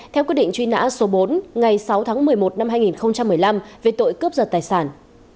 theo quyết định truy nã số bốn ngày sáu tháng một mươi một năm hai nghìn một mươi năm về tội cướp giật tài sản